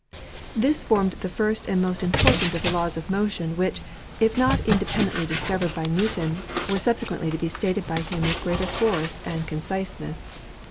This formed the first and most impor tant of the laws of motion which, if not independently dis covered by Newton, were subsequently to be stated by him with greater force and conciseness.